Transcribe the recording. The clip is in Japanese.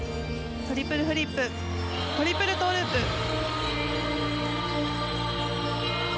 トリプルフリップトリプルトーループ。